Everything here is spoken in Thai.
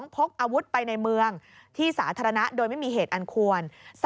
พกอาวุธไปในเมืองที่สาธารณะโดยไม่มีเหตุอันควร